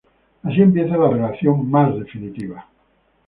Así empieza la relación más definitiva.